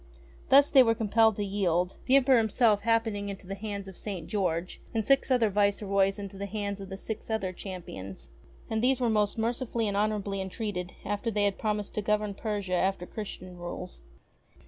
Thus they were com pelled to yield, the Emperor himself happening into the hands of St. George, and six other viceroys into the hands of the six other Champions. And these were most mercifully and honourably en treated after they had promised to govern Persia after Christian rules.